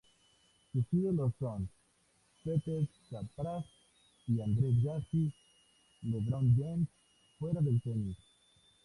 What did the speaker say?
Sus ídolos son Pete Sampras y Andre Agassi, Lebron James fuera del tenis.